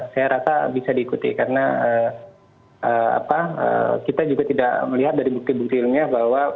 saya rasa bisa diikuti karena kita juga tidak melihat dari bukti bukti ilmiah bahwa